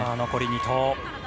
残り２投。